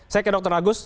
saya ke dokter agus